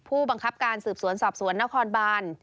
ผู้บังคับการสืบสวนสอบสวนนครบาน